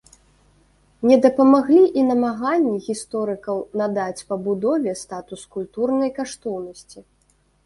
Не дапамаглі і намаганні гісторыкаў надаць пабудове статус культурнай каштоўнасці.